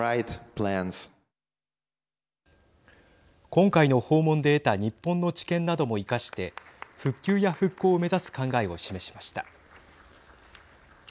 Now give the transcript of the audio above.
今回の訪問で得た日本の知見なども生かして復旧や復興を目指す考えを示しました。